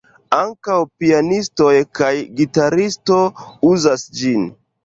Ankaŭ pianistoj kaj gitaristo uzas ĝin.